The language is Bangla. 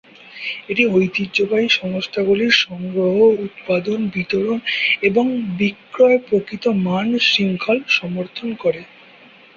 এটি ঐতিহ্যবাহী সংস্থাগুলির সংগ্রহ, উৎপাদন, বিতরণ "এবং বিক্রয় প্রকৃত মান শৃঙ্খল" সমর্থন করে।